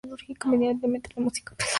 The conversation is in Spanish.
Inmediatamente, la música pasa a mi bemol.